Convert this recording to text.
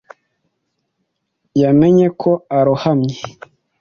yamenye ko arohamye.